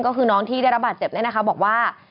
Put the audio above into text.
ก็คือน้องที่ได้รับบาดเจ็บเนี่ยนะคะบอกว่า